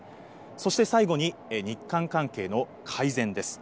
そして最後に日韓関係の改善です。